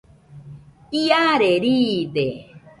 Iare riide